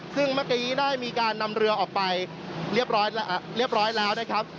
ซึ่งเมื่อกี้ได้มีการนำเรือออกไปเรียบร้อยแล้วนะครับ